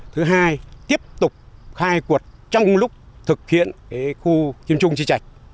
thứ hai tiếp tục khai quật trong lúc thực hiện khu kiêm trung chi trạch